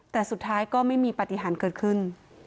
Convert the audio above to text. แต่สุดท้ายก็ไม่มีปฏิหารเกิดขึ้น